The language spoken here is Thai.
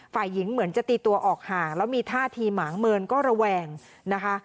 ฝ่ายหญิงเหมือนจะตีตัวออกห่างแล้วมีท่าทีหมางเมินก็ระแวงนะคะ